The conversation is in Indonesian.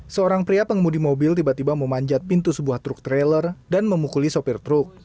seorang pria pengemudi mobil tiba tiba memanjat pintu sebuah truk trailer dan memukuli sopir truk